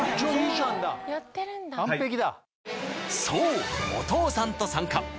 ［そうお父さんと参加］